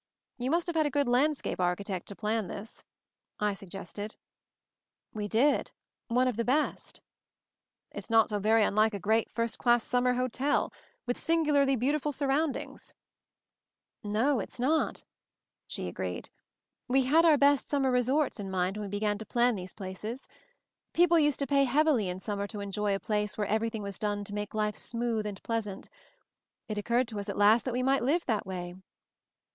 "You must have had a good landscape architect to plan this," I suggested. "We did— one of the best." "It's not so very unlike a great, first class summer hotel, with singularly beautiful sur roundings." "No, it's not," she agreed. "We had oiy MOVING THE MOUNTAIN 153 best summer resorts in mind when we began to plan these places. People used to pay heavily in summer to enjoy a place where everything was done to make life smooth and pleasant. It occurred to us at last that we might live that way."